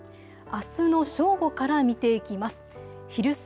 あすの正午から見ていきます。